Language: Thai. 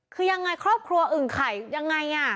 คือยังไงครอบครัวอึ่งไข่ยังไง